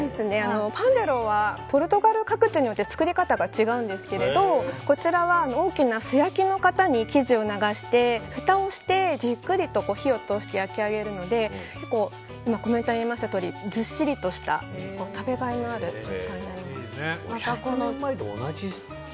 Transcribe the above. パォンデローは作り方が違うんですけれどこちらは大きな素焼きの型に生地を流してふたをしてじっくりと火を通して焼き上げるのでコメントにありましたとおりずっしりとした食べがいのある食感になります。